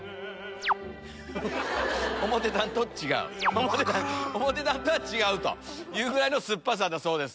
思ってたのと違うというぐらいの酸っぱさだそうです。